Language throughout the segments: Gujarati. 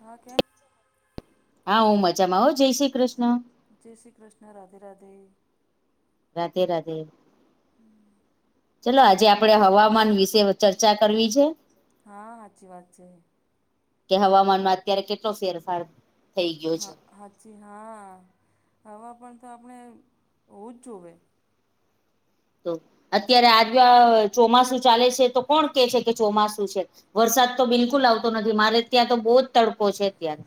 ઓા, કે હા, હું મજામાં હો, જય શ્રી કૃષ્ણ જય શ્રી કૃષ્ણ, રાધે રાધે રાધે રાધે [unintelligible] આજે આપણે હવામાન વિશે ચર્ચા કરવી છે, હા સાચી વાત છે કે હવામાનમાં અત્યારે કેટલો ફેરફાર થઈ ગયો છે હ, હાજીી, હા, હવે પણ તો આપણે હોવું જ જોએ તો અત્યારે આજ ચોમાસું ચાલે છે તો કોણ કે છે કે ચોમાસું છે વરસાદ તો બિલકુલ આવતો નથી મારે ત્યાં તો બહુ જ તડકો છે તત્યારે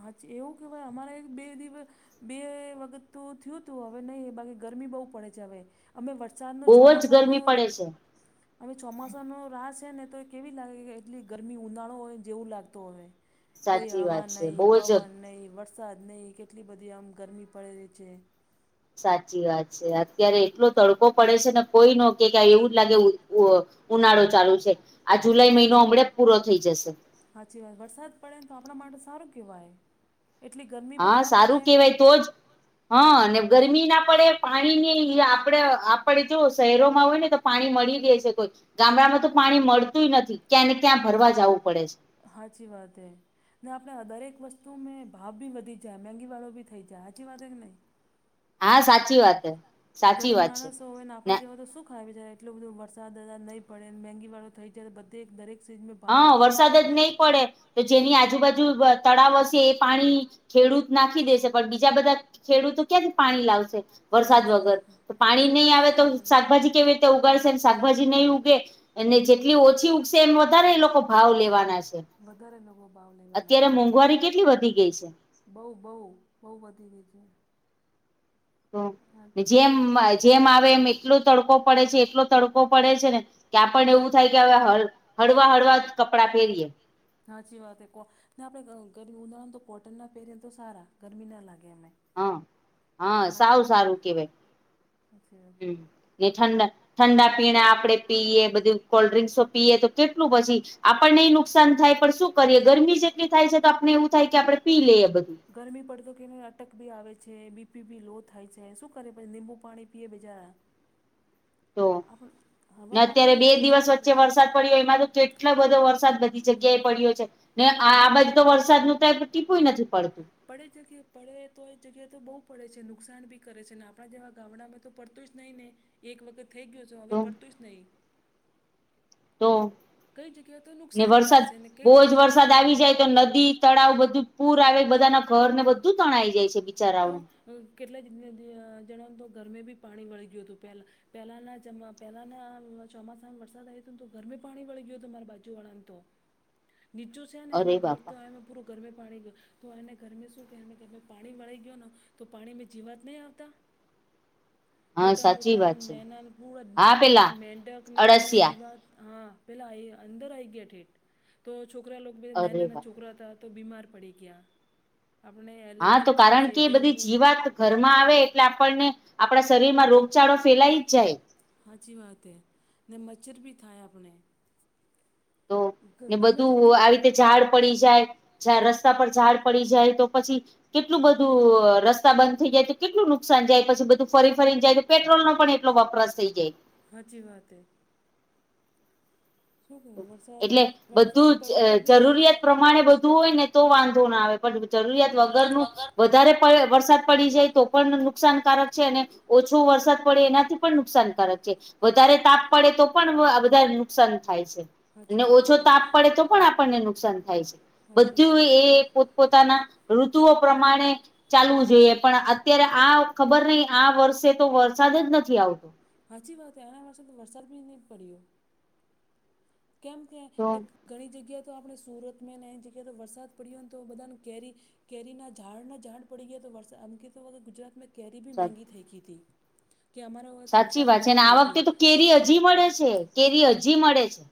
હા એવું કેવાય અમારે એક બે દિવસ બે વખત તો થયું તું હવે નહી બાકી ગરમી બહુ પડે છે હવે અમે વરસાદનો ચોમા સાનો એટલે હવે ચોમાસાનો રાહ છે ને તો એ કેવી લાગે કે એટલી ગરમી ઉનાળો હોયને જેવું લાગતો અહે સાચી વાત છે. નહી, પવન નહી, વરસાદ નહી, કેટલી બધી આમ ગરમી પડેરી છે. સાચી વાત છે, અત્યારે એટલો તડકો પડે છે ને કોઈ ન કે, કેઆ એવું જ લાગે ઉ ઉનાળો ચાલુ છે. આ જુલાઈ મહિનો હમડે પૂરો થઈ જશે. હાચી વાત, વરસાદ પડે ને તો આપણા માટે સારું કેવાય. એટલી ગરમી પણ ના પડે. હા, અને ગરમી ના પડે પાણી ની ઇ આપડે આપડે જો શહેરોમાં હોય ને તો પાણી મળી દે છે કોઈ, ગામડામાં તો પાણી મળતું ઇ નથી, ક્યાં ને ક્યાં ભરવા જાવું પડે છે. હાચી વાત હૈ. ને આપણે દરેક વસ્તું મે ભાબ બી વધી જાય, મંગીવાળો બી થઈ જાય, હાચી વાત એ કે નહીં? હા સાચી વાત હે, સાચી વાત છે. આપા જેવા તો શું ખાવી જાય, એટલો બધો વરસાદ નહીં પડે, મેંગીવાળો થઈ જાય, તો બધે દરેક હા, વરસાદ જ નહી પડે. તો જેની આજુબાજુ વ તળાવ હશે, એ પાણી ખેડૂત નાખી દેશે, પણ બીજા બધા ખેડૂતો ક્યાંથી પાણી લાવશે? વરસાદ વગર, તો પાણી નહીં આવે તો શાકભાજી કેવી રીતે ઉગાડશે, ને શાકભાજી નહી ઉગે, અને જેટલી ઓછી ઉગશે એમ વધારે એ લોકો ભાવ લેવા નાસે, અત્યારે મોંઘવારી કેટલી વધી ગઈ છે. બઉ બઉ બઉ બધી રીતે તો, ને જેમ જેમ આવે એમ એટલો તડકો પડે છે, એટલો તડકો પડે છે ને. કે્યા પણ એવું થાય કે હવે હ હળવા હળવા કપડાં પહેરીએ સાચી વાત કોહ ને આપણેે ગરમી ઉનાાળામાં તો કોટન ના પહેરીએને તો સારા ગરમી ના લાગે અમે હા હા સવું સારું કેવાય પછીત ને ઠંડા, ઠંડા પીણા આપડે પીએ, બધું કોલ્ડ્રિંકશો પીએ, તો કેટલું પછી આપણનેઇ નુકસાન થાય, પણ શું કરીએ ગરમી જ એટલી થાય છે, તો આપને એવું થાય કે આપણે પી લઈએ બધું. ગરમી પડતો કે ને અટક બી આવે છે, બીપી બી લો થાય છે, શું કરે પછી નિબુ પાણી પીએ, બીચારા. તો, ને અત્યારે બે દિવસ વચ્ચે વરસાદ પડ્યો એમાં તો કેટલો બધો વરસાદ બધી જગ્યાએ પડ્યો છે. ને આ બાજુ તો વરસાદ નુ તો ટીપુંએ નથી પડતું. પડે જગ્યા પડે તો એ જગ્યા તો બહુ પડે છે નુકસાન ભી કરે છે ને આપણા જેવા ગામડામાં તો પડતું જ નહીં ને એક વખત થઈ ગયો છે હવે પડતું જ નહીિ કઈ જગ્યા તો નુકસાન કરે છે ને કઈ જગ્યા હારો કરે છે નદી તળાવ બધું પૂર આવે બધા ના ઘર ને બધું તણાઈ જાય છે તો કેટલા જ જણ તો ઘરમે બી પાણી વળી ગયું હતું પહેલા પેલાના જ પહેલાના ચોમાસામાં વરસાદ આવ હતો તો ગરમી પાણી વળી ગયું તમારા બાજુ વાળાને તો નીચું છે ને એનું ઘર તો એ પૂરું ગરમે પાણી ગય તો એને ગરમે શું કે એરમે પાણી મળી ગય તો પાણી મે જીવાત નહીં આવતા મોટા મોટા નના પૂરા પેલા મેઢક ને પેલા જીવા હા પેલા અંદર આ આવી ગયા ઠેઠ તો છોકરા લોકો નાના નાના છોકરા હતા તો બીમાર પડી ગયા આપણે એલર્જી થાય. એ બધી જીવાત ઘરમાં આવે એટલે આપણને આપણા શરીર માં રોગચાળો ફેલાઈ જ જાય. સાાચી વાત એ ને મચ્છર ભી થાય આપણે. ગમે તેતને ઝાડ પડી જાય રસ્તા પર ઝાડ પડી જાય તો પછી કેટલું બધું રસ્તા બંધ થઈ જાય તો કેટલું નુકસાન જાય પછી બધું ફરી ફરીને જાય તો પેટ્રોલ નો પણ એટલો વપરાશ થઈ જાય. હાચી વાત એ. એટલે બધું જરૂરિયાત પ્ર પ્રમાણે બધું હોય ને તો વાંધો ના આવે પણ જરૂરિયાત વગરનું વધારે વરસાદ પડી જાય તો પણ નુકસાનકારક છે અને ઓછો વરસાદ પડે એનાથી પણ નુકસાનકારક છે. વધારે તાપ પડે તો પણ વધારે નુકસાન થાય છે અને ઓછો તાપ પડે તો પણ આપણને નુકસાન થાય છે બધું એ પોતપોતાના ઋતુઓ પ્રમાણે ચાલવું જોઈએ પણ અત્યારે આ ખબર નહી આ વર્ષે તો વરસાદ જ નથી આવતો. હાચી વાત વરષ તો વરસાદ બ ન નથીહીં પડીયો. કેમ કેને ઘણી જગ્યાએ તો આપણે સુરત મે ને એ જગ્યાએ તો વરસાદ પડ્યોય ને તો બધાને કેરી કેરીના ઝાડના ઝાડ પડી ગયા તો વરસા અમકીતો ગુજરાતમાં કેરી બી મંંગી થઈ ગઈ હતી. સાચી વાત છે આ વખતે તો કેરી હજી મળે છે કેરી હજી મળે છે.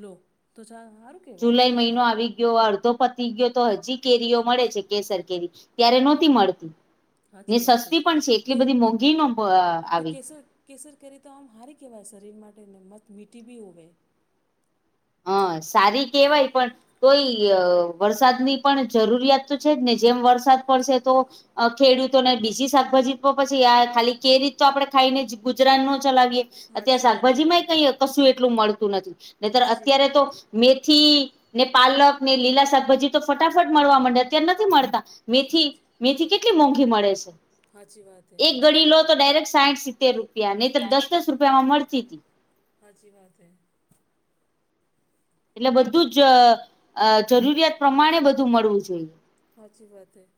લો તો છા સારું. જુલાઈ મહિનો આવી ગયો અડધો પતી ગયો તો હજી કેરીઓ મળે છે કેસર કેરી. ત્યારે નહોતી મળતી સસ્તી પણ છે એટલી બધી મોંઘી ન આવી. કેસર કરી તો આમ સારી કહેવાય શરીર માટેને મત મીઠી બી હોવે‌. હ સારી કેવાય પણ તોય વરસાદની પણ જરૂરિયાત તો છે જ ને જેમ વરસાદ પડશે તો ખેડૂતોને બીજી શાકભાજી પછી ખાલી કે રીત તો આપણેે ખાઈને જી ગુજરાત નો ચલાવીએ અત શાકભાજી ય ક કશું એટલું મળતું નથી. હાચી વાત હ. મેથી ને પાલક ને લીલા શાકભાજી તો ફટાફટ મળવા માંડે અત્યારે નથી મળતા મેથી મેથી કેટલી મોંઘી મળે છે. એક ગડી લો તો ડાયરેક્ટ સાઠ સિત્તેર રૂપિયા નહી તોર દસ દસ રૂપિયામાં મળતી હતી. હાચી વાત હૈ. એટલે બધું જ જરૂરિયાત પ્રમાણે બધું મળવું જોઈએ. હાચી વાત હૈ.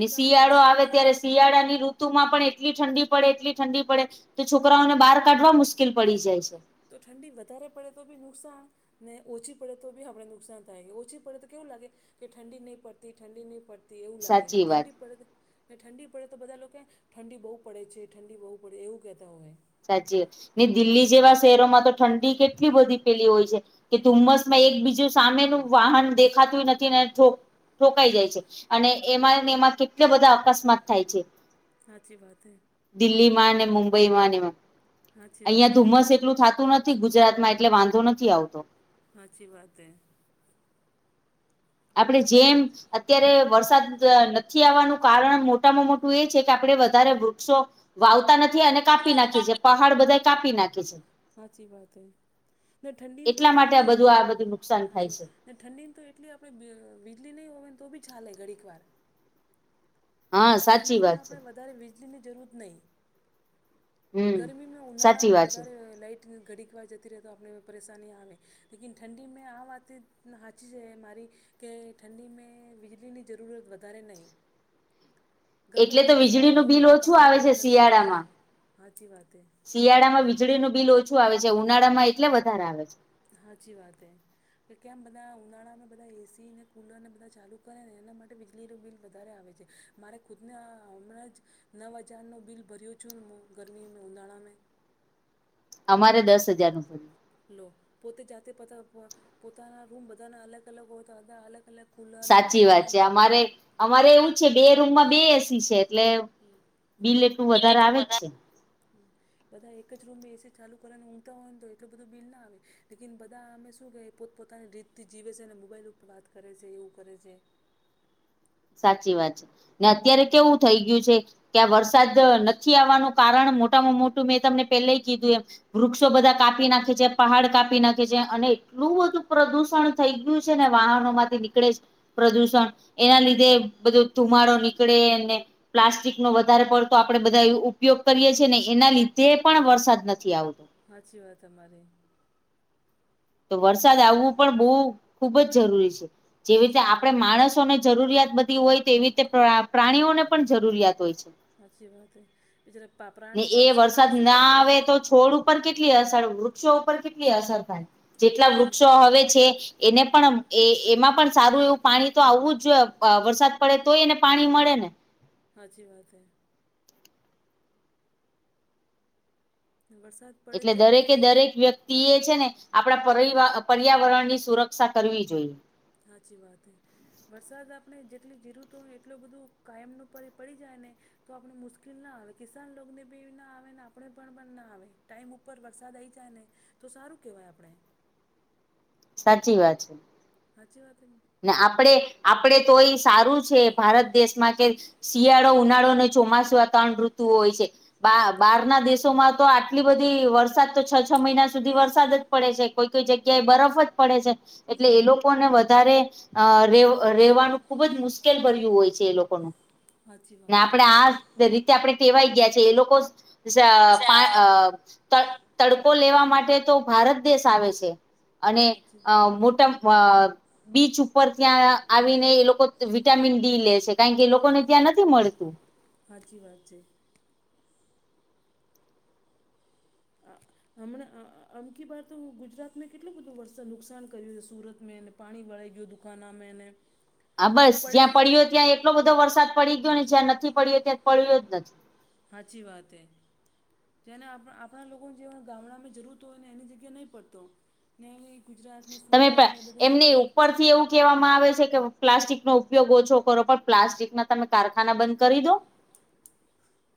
ને શિયાળો આવે ત્યારે શિયાળા ની રૂતુ તુ માં પણ એટલી ઠંડી પડે એટલી ઠંડી પડે તો છોકરાઓને બહાર કાઢવા મુશ્કેલ પડી જાય છે. તો ઠંડી વધારે પડે તો ભી નુકસાન ને ઓછી પડે તો બી આપણે નુકસાન થાય ઓછી પડે તો કેવું લાગે કે ઠંડી નહી પડતી ઠંડી નહીં પડતી એવું લાગે ને ઠંડી પડે હ ઠંડી પડે તો બધા લોકો ઠંડી બહુ પડે છે ઠંડી બહુ પડે એવું કહેતા હોય. સાચી વાત ને દિલ્હી જેવા શહેરોમાં તો ઠંડી કેટલી બધી હોય છે, કે ધુમ્મસ માં એક બીજું સામેનું વાહન દેખાતું નથી ને ોકાઈ જાય છે, અને એમાંને એમાં કેટલા બધા અકસ્માત થાય છે. સાચી વાત હ. દિલ્હીમાં ને મુંબઈ માં એ આવા. અહિયાં ધુમ્મસ એટલું થતું નથી ગુજરાત માં એટલે વાંધો નથી આવતો. હા અછી વાત હૈ. આપડે જેમ અત્યારે વરસાદ નથી આવવાનું કારણ મોટામાં મોટું એ છે કે આપડે વધારે વૃક્ષો, વાવતા નથી અને કાપી નાખે છે પહાડ બધા કાપી નાખે છે. સાચી વાત હ, ઠંડી તો આપણે હાચી વાત. ને ઠંડીની તો એટલી આપણે વીજળી નહીં હોય ને તો બી ચાલે ઘડીક વાર. ઠંડીમાં આપણે વધારે વીજળીની જરૂર નહીં. ગરમીમાં ઉનાાળામાં વધારે લાઈટ ઘડીકવાર જતી રહે તો આપ પરેશાનની આવે, લક ઠંડીમાં આ વાત હાચી જ મારી. કે ઠંડીમાં વીજળીની જરૂરત વધારે નહી. એટલે તો વીજળીનું બિલ ઓછું આવે છે શિયાળામાં. હાચી વાત હ. શિયાળામાં વીજળીનું બિલ ઓછું આવે છે ઉનાળામાં એટલે વધારે આવે છે. હાચી વાત હ. કે કે આમ બધા ઉનાળામાં બધા એ સી ને કુલરને બધા ચાલુ કરે ને એના માટે વીજળી ન બિલ વધારે આવે છે. મારે ખુદને હમણાં જ, નવ હજારનો બિલ ભર્યું છું ને હું ગરમીમાં ઉનાળામાં. અમારે દસ હજાર ન પડ્યું. લો પોતે જાતે પોતા પોતાના રૂમ બધાના અલગ અલગ હોય તોધા અલગ અલગ સાચી વાત છે અમારે અમારે એવું છે બે રૂમમાં બે એસી છે એટલે બિલ એટલું વધારે આવે જ છે. [inaudible] બધા એક જ રૂમ એસી ચાલુ કરે ને ઊંઘતા હોય ને તો એટું બધું બિલ ના આવે, લેકિન બધા અમે શું કહેએ પોત પોતાની રીત થી જીવે છે અને મોબાઈલ ઉપર વાત કરે છે એવું કરે છે. સાચી વાત છે, ને અત્યારે કેવું થઈ ગયું છે. કે્યાં વરસાદ નથી આવવાનું કારણ મોટામાં મોટું મેં તમને પેલાય કીધું એમ. વૃક્ષો બધા કાપી નાખે છે પહાડ કાપી નાખે છે અને એટલું બધું પ્રદુષણ થઈ ગયું છે ને વાહનો માંથી નીકળે છે પ્રદૂષણ, એના લીધે બધો ધુમાડો નીકળે પ્લાસ્ટિક નો વધારે પડતો આપડે બધા ઉપયોગ કરીએ છીએ ને એના લીધે પણ વરસાદ નથી આવતો. સાચી વાત અરે. તો વરસાદ આવવું પણ બહુ ખુબ જ જરૂરી છે, જેવી રીતે આપણે માણસોને જરૂરિયાત બધી હોય તો તેવી રીતે પ્રાણીઓને પણ જરૂરિયાત હોય છે. સાચી વાત, બીજ્યારે પા પ્રાણી પક્ષીને એ શું કરતા હોય છે? કેટલી અસર વૃક્ષો ઉપર કેટલી અસર થાય, જેટલા વૃક્ષો હવે છે. એને પણ એ એમાં પણ સારું એવું પાણી તો આવવું જ વરસાદ પડે તો એને પાણી મળે ને. હાચી વાત હ. બરસાદ એટલે દરેકે દરેક વ્યક્તિ એ છે ને, આપણા પર પર્યાવરણ ની સુરક્ષા કરવી જોઈએ. હાચી વાત હૈ. વરસાદ આપણે જેટલી જીર તો હોય ને એટલું બધું કાયમનું પર પડી જાય ને. તો આપણે મુશ્કેલ ના આવે કિસાન ને બી ના આવે ને આપણે પણ ના આવે ટાઈમ ઉપર વરસાદ આવીઈ જાય ને. તો સારું કેવાય આપણે. સાચી વાત છે હાચી વાત ને ને આપણેે આપણેે તો એય સારું છે ભારત દેશમાં કે શિયાળો ઉનાળો અને ચોમાસુ આ ત્રણ ઋતુ હોય છે બારના દેશો માં તો આટલી બધી વરસાદ તો છ છ મહિના સુધી વરસાદ જ પડે છે કોઈ કોઈ જગ્યા એ બરફ જ પડે છે એટલે એ લોકોને અ રે રહેવાનું ખુબ જ મુશ્કેલ ભર્યું હોય છે એ લોકોનું હચી વાતે રીતે આપણે વાય ગયા છે એ લોકો પા તડકો લેવા માટે તો ભારત દેશ આવે છે. અને અ મોટા બીચ ઉપર ત્યાં આવીને એ લોકો વિટામિન ડી લે છે કારણ કે એ લોકોને ત્યાં નથી મળતું હાચી વાત છે અ હમણાં અમ કી બાત ગુજરાતમાં કેટલોું બધું વરસાદ નુકસાન કર્યું છે સુરતમાં અને પાણી ભળઈ ગયું દુકાનામાં અનેને હા બસ જ્યાં પડ્યો ત્યાં એક એટલો બધો વરસાદ પડી ગયો ને જ્યાં નથી પડ્યો ત્યાં પડ્યો જ નથી હાચી વાત હે જેને આપણા લોકોને જે ગામડા માં જરૂરત હોય ને એની જગ્યા નહીં પડતો નવી નવી ગુજરાતને સુરતને બધા કહેવામાં આવે છે કે પ્લાસ્ટિક નો ઉપયોગ ઓછો કરો પણ પ્લાસ્ટિક ના તમે કારખાના બંધ કરી દો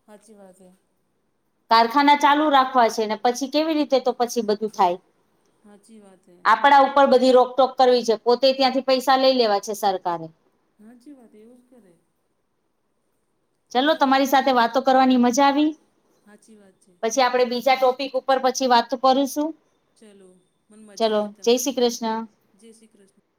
સાાચી વાત છે કારખાના ચાલુ રાખવા છે ને પછી કેવી રીતે તો પછી બધું થાય આપડા ઉપર બધી રોકટોક કરવી છે પોતે ત્યાંથી પૈસા લઈ લેવા છે સરકારે હાચી વાત એવું જ કરે ચલો તમારી સાથે વાતો કરવાની મજા આવી સાચી વાત છે પછી આપડે બીજા ટોપિક ઉપર પછી વાતો કરું છું ચલો મને મજા આઈ ત મારા જય શ્રી કૃષ્ણ